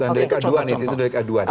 dan dari keduanya itu dari keduanya